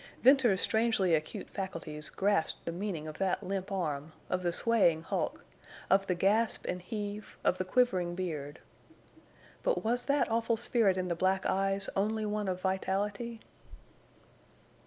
Venters's strangely acute faculties grasped the meaning of that limp arm, of the swaying hulk, of the gasp and heave, of the quivering beard. But was that awful spirit in the black eyes only one of vitality?